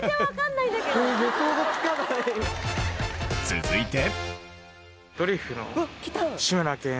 続いて。